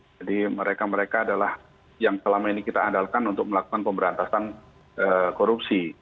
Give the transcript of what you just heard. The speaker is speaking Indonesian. jadi mereka mereka adalah yang selama ini kita andalkan untuk melakukan pemberantasan korupsi